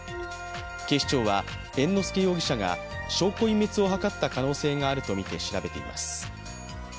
警視庁は猿之助容疑者が証拠隠滅を図った可能性があるとみて調べています。